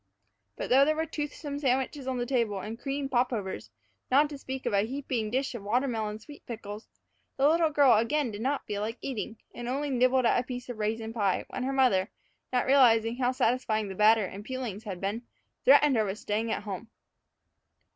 But though there were toothsome sandwiches on the table and cream popovers, not to speak of a heaping dish of watermelon sweet pickles, the little girl again did not feel like eating, and only nibbled at a piece of raisin pie when her mother, not realizing how satisfying the batter and peelings had been, threatened her with staying at home.